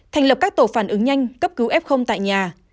thành lập các tổ phản ứng nhanh cấp cứu f tại nhà